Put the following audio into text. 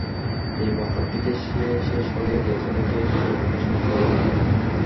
এই প্রস্তাবটিকে সে শেষ করিয়া দিয়াছে বলিয়াই তো ব্যাপারটা শেষ হইয়া যায় নাই।